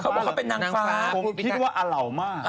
เขาบอกเขาเป็นนางฟ้าคิดว่าอเหล่ามาก